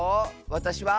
「わたしは」。